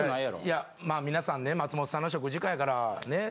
いやまあ皆さんね松本さんの食事会やからねっ！